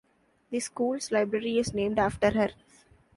The school's library is named after her.